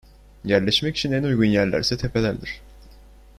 Yerleşmek için en uygun yerlerse tepelerdi.